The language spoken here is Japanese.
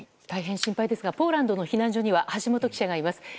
大変心配ですがポーランドの避難所には橋本記者がいます。